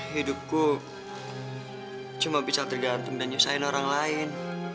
hidupku cuma bisa tergantung dan nyusahin orang lain